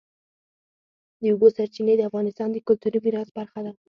د اوبو سرچینې د افغانستان د کلتوري میراث برخه ده.